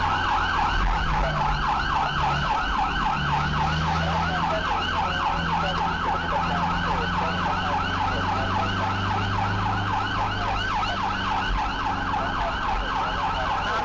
อยู่ชั้นลั่งที่อีกทีที่พิเศษรั๕๗อยู่ตามตำราตรอเมื่อกี็งไม้เยอะแล้วนะครับ